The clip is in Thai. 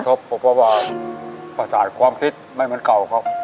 เพราะว่าประสาทความฟิตไม่เหมือนเก่าครับ